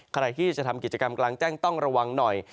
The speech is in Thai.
ใครที่จะทำกิจกรรมกลางแจ้งต้องระวังหน่อย